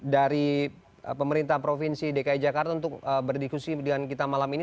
dari pemerintah provinsi dki jakarta untuk berdiskusi dengan kita malam ini